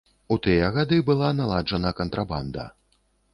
У тыя гады была наладжана кантрабанда.